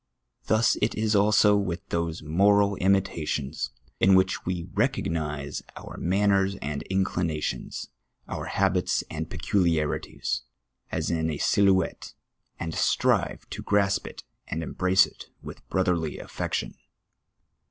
ITius is it also with those moral imi tations, in which we recognise our manners and inclinations, om habits and peculiarities, as in a sUhouctte, and strive to gi'asp it and embrace it with brotherly affection.